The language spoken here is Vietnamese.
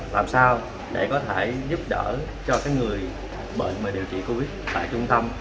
làm sao để có thể giúp đỡ cho người bệnh mà điều trị covid một mươi chín tại trung tâm